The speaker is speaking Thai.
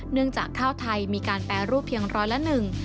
จากข้าวไทยมีการแปรรูปเพียงร้อยละหนึ่ง